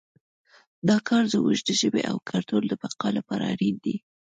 دا کار زموږ د ژبې او کلتور د بقا لپاره اړین دی